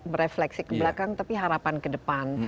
berefleksi ke belakang tapi harapan ke depan